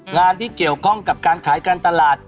งานที่เกี่ยวข้องกับการขายการตลาด